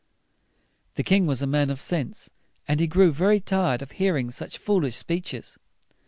The king was a man of sense, and he grew very tired of hearing such foolish speeches.